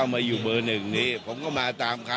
อันนี้จะต้องจับเบอร์เพื่อที่จะแข่งกันแล้วคุณละครับ